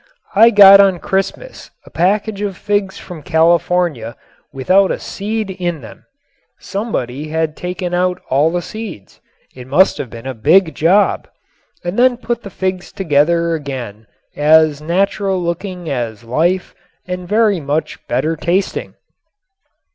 I got on Christmas a package of figs from California without a seed in them. Somebody had taken out all the seeds it must have been a big job and then put the figs together again as natural looking as life and very much better tasting.